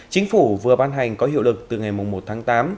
chính phủ vừa ban hành có hiệu lực từ ngày một tháng tám